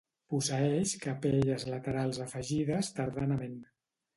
Posseeix capelles laterals afegides tardanament.